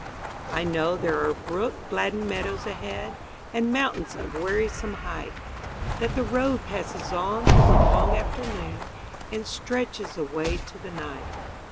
I know there are brook gladdened meadows ahead, And mountains of wearisome height; That the road passes on through the long afternoon And stretches away to the night.